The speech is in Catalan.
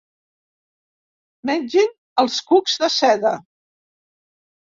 Mengin els cucs de seda.